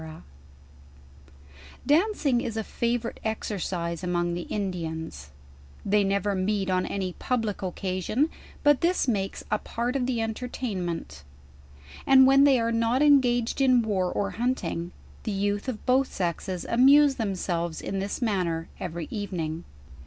Dancing is a favorite exercise among the Indians: they never meet on any public occasion, but this makes a part of the entertainment; and wh.*n they are not engaged in war or hunting, the youth of both sexes amuse themselves in this manner every evening.